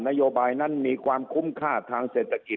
ว่านโยบายนั้นมีความคุ้มค่าทางเศรษฐกิจมากน้อยแค่ไหน